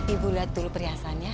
ibu lihat dulu perhiasannya